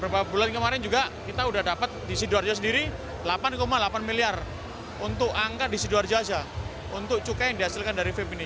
beberapa bulan kemarin juga kita sudah dapat di sidoarjo sendiri delapan delapan miliar untuk angka di sidoarjo saja untuk cukai yang dihasilkan dari vape ini